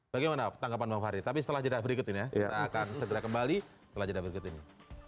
bagaimana tanggapan bang fahri tapi setelah jeda berikut ini ya kita akan segera kembali setelah jeda berikut ini